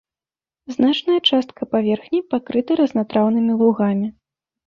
Значная частка паверхні пакрыта разнатраўнымі лугамі.